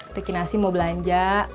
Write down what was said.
tekinasi mau belanja